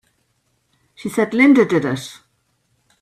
She said Linda did it!